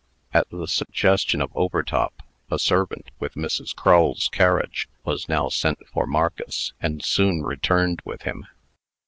At the suggestion of Overtop, a servant, with Mrs. Crull's carriage, was now sent for Marcus, and soon returned with him.